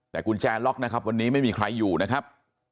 แต่กุญแจล็อกนะครับวันนี้ไม่มีใครอยู่นะครับ